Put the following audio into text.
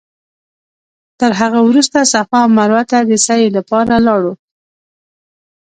تر هغه وروسته صفا او مروه ته د سعې لپاره لاړو.